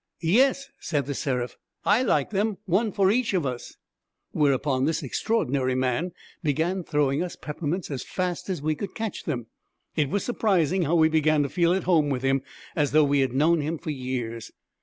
'Yes,' said The Seraph, 'I like them one for each of us.' Whereupon this extraordinary man began throwing us peppermints as fast as we could catch them. It was surprising how we began to feel at home with him, as though we had known him for years.